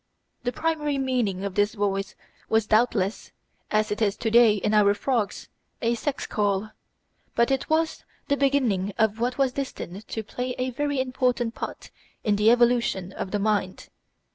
The primary meaning of this voice was doubtless, as it is to day in our frogs, a sex call; but it was the beginning of what was destined to play a very important part in the evolution of the mind.